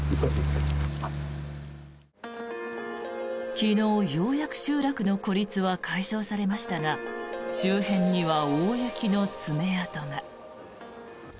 昨日、ようやく集落の孤立は解消されましたが周辺には大雪の爪痕が。